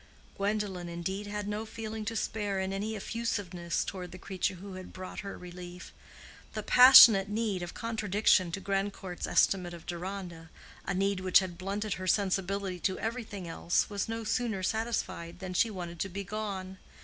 Gwendolen, indeed, had no feeling to spare in any effusiveness toward the creature who had brought her relief. The passionate need of contradiction to Grandcourt's estimate of Deronda, a need which had blunted her sensibility to everything else, was no sooner satisfied than she wanted to be gone.